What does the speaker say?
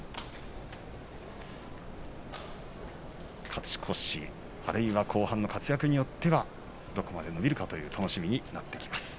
勝ち越しあるいは後半の活躍によってはどこまで伸びるか楽しみになります。